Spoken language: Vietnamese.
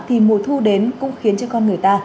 thì mùa thu đến cũng khiến cho con người ta